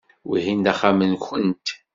Wihin d axxam-nwent.